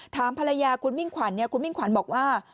ถามภรรยาคุณมิ่งขวัญคุณมิ่งขวัญบอกว่า